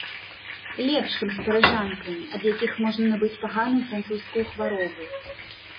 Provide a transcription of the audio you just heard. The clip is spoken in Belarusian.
Лепш, чым з парыжанкамі, ад якіх можна набыць паганую французскую хваробу.